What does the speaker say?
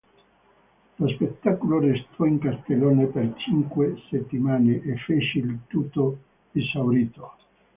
Lo spettacolo restò in cartellone per cinque settimane e fece il tutto esaurito.